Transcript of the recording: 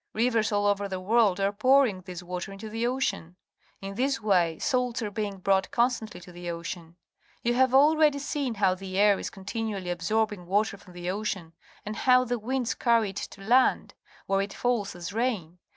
Rivers all over the world are pouring this water into the ocean. In this way salts are being brought con stantly to the ocean. You have already seen how the air is continually absorbing water from the ocean, and how the winds carry it to land, where it falls as rain.